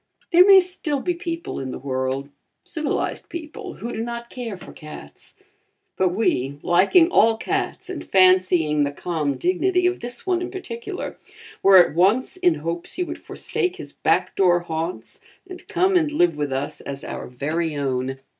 There may still be people in the world civilized people who do not care for cats, but we, liking all cats and fancying the calm dignity of this one in particular, were at once in hopes he would forsake his back door haunts and come and live with us as our very own.